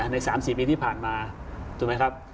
ใน๓๔ปีที่ผ่านมาถูกไหมครับ